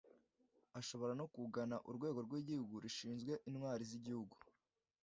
Ashobora no kugana Urwego rw’igihugu rushinzwe intwari z’igihugu